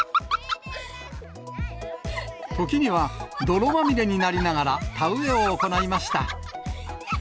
時には泥まみれになりながら、田植えを行いました。